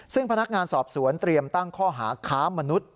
ซึ่งพนักงานสอบสวนเตรียมตั้งข้อหาค้ามนุษย